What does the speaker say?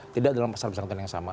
tidak dalam pasar besaran yang sama